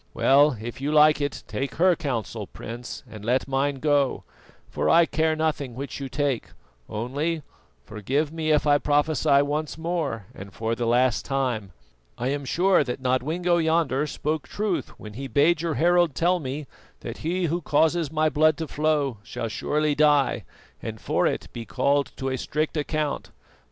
Well, if you like it, take her counsel, Prince, and let mine go, for I care nothing which you take; only, forgive me if I prophesy once more and for the last time I am sure that Nodwengo yonder spoke truth when he bade your herald tell me that he who causes my blood to flow shall surely die and for it be called to a strict account.